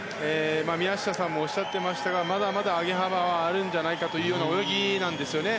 宮下さんもおっしゃっていましたがまだまだ上げ幅はあるんじゃないかというような泳ぎなんですね。